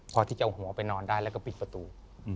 พอที่จะเอาหัวไปนอนได้แล้วก็ปิดประตู